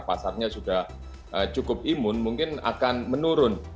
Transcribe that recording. pasarnya sudah cukup imun mungkin akan menurun